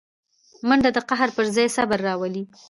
منډه د قهر پر ځای صبر راولي